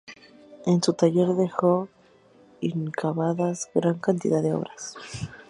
En su taller dejó inacabadas gran cantidad de obras.